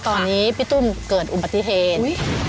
ตอนนี้พี่ตุ้มเกิดอุบัติเหตุ